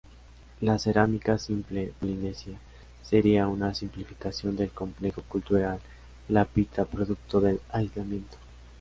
La cerámica simple polinesia sería una simplificación del complejo cultural lapita producto del aislamiento.